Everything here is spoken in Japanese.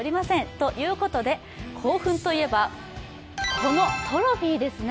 ということで、興奮といえばこのトロフィーですね。